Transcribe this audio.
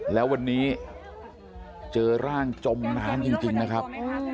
แล้ววันนี้เจอร่างจมน้ำจริงนะครับ